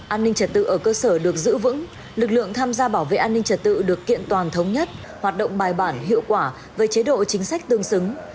an ninh trật tự ở cơ sở được giữ vững lực lượng tham gia bảo vệ an ninh trật tự được kiện toàn thống nhất hoạt động bài bản hiệu quả với chế độ chính sách tương xứng